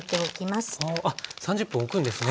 あっ３０分おくんですね。